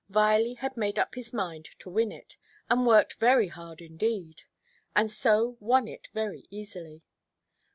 Viley had made up his mind to win it, and worked very hard indeed; and so won it very easily.